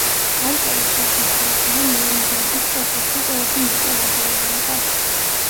კაიტელის საქმის განხილვა ნიურნბერგის პროცესზე ყველაზე მოკლევადიანი იყო.